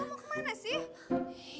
abah mau kemana sih